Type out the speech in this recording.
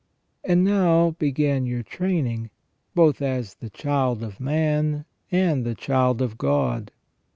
And now began your training, both as the child of man and the child of God.